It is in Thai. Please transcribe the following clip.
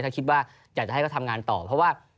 ถ้าคิดว่าอยากจะให้เขาทำงานต่อเพราะว่า